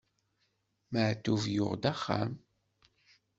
Maɛṭub yuɣ-d axxam.